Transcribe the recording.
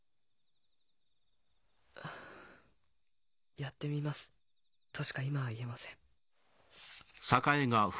「やってみます」としか今は言えません。